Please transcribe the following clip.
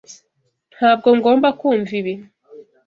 Ntabwo ngomba kumva ibi.